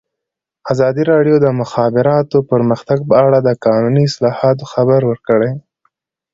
ازادي راډیو د د مخابراتو پرمختګ په اړه د قانوني اصلاحاتو خبر ورکړی.